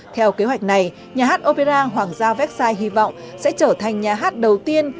theo kế hoạch này nhà hát opera hoàng gia vecsai hy vọng sẽ trở thành nhà hát đầu tiên